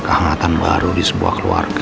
kehangatan baru di sebuah keluarga